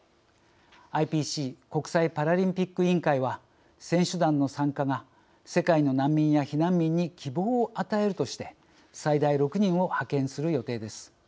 ＩＰＣ国際パラリンピック委員会は選手団の参加が世界の難民や避難民に希望を与えるとして最大６人を派遣する予定です。